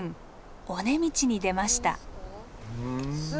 尾根道に出ました。